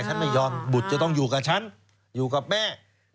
ฉันไม่ยอมบุตรจะต้องอยู่กับฉันอยู่กับแม่